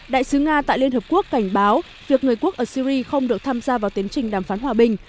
đại sứ nga tại liên hợp quốc cảnh báo việc người quốc ở syri không được tham gia vào tiến trình đàm phán hòa bình